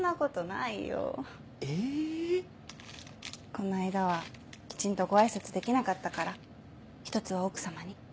この間はきちんとご挨拶できなかったから１つは奥さまに。